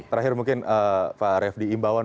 terakhir mungkin pak refdy imbawan